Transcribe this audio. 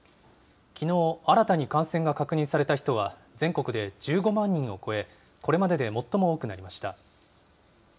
きのう新たに感染が確認された人は、全国で１５万人を超え、これまでで最も多くなりました。